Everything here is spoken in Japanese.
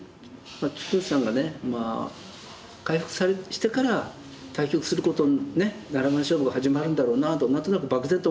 治勲さんがね回復してから対局することに七番勝負が始まるんだろうなと何となく漠然と思ってたんですけどね。